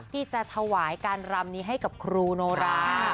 ที่จะถวายการรำนี้ให้กับครูโนรา